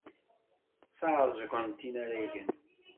Sɛeẓgent inaragen.